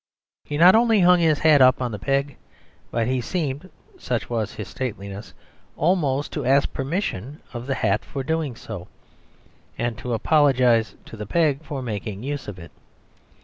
He not only hung his hat up on the peg, but he seemed (such was his stateliness) almost to ask permission of the hat for doing so, and to apologise to the peg for making use of it.